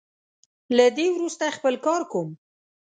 له دې وروسته خپل کار کوم.